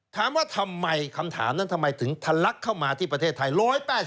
ถามว่าทำไมคำถามนั้นทำไมถึงทะลักเข้ามาที่ประเทศไทย